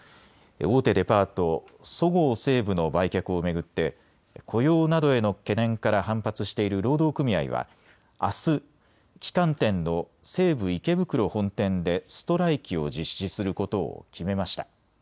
大手デパート、そごう・西武の売却を巡って雇用などへの懸念から反発している労働組合はあす、旗艦店の西武池袋本店でストライキを実施することを決めました。